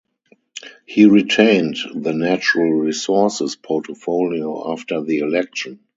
He retained the Natural Resources portfolio after the election.